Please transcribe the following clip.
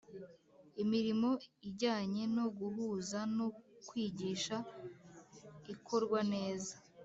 Imirimo ijyanye no guhuza no kwigisha ikorwa neza